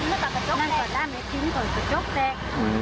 มันมาแบบกันอันหาร่ะนั่นก็ได้ชิ้นกับกระจกแทน